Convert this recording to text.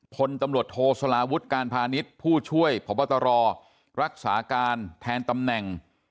พลตำรวจโทสลาวุฒิการพาณิชย์ผู้ช่วยพบตรรักษาการแทนตำแหน่ง